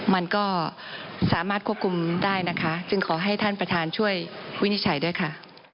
มันก็สามารถควบคุมได้นะคะจึงขอให้ท่านประธานช่วยวินิจฉัยด้วยค่ะ